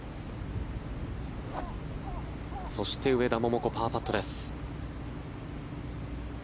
そして、上田桃子パーパットです。